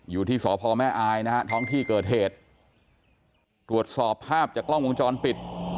อยู่ที่สพแม่อายนะฮะท้องที่เกิดเหตุตรวจสอบภาพจากกล้องวงจรปิด